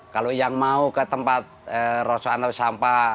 kalau yang mau ke tempat rosok atau sampah